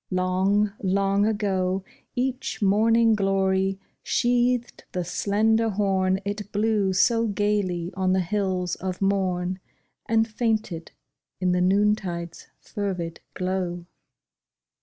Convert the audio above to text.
Long, long ago Each morning glory sheathed the slender horn It blew so gayly on the hills of morn, And fainted in the noontide's fervid glow.